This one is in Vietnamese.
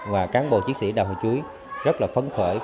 và cán bộ chiến sĩ đảo hòn chuối rất là phấn khởi